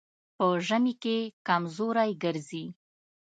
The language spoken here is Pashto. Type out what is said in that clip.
په ژمي کې کمزوری ګرځي.